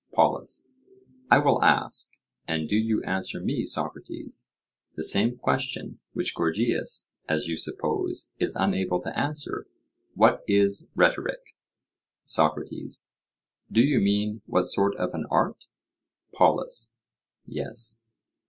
POLUS: I will ask; and do you answer me, Socrates, the same question which Gorgias, as you suppose, is unable to answer: What is rhetoric? SOCRATES: Do you mean what sort of an art? POLUS: Yes.